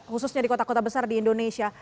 khususnya di kota kota besar di indonesia